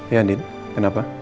ya andin kenapa